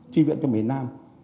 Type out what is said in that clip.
tri viện cho miền nam